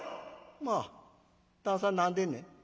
「まあ旦さん何でんねん？」。